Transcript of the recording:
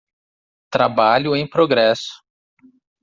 Trabalho em progresso.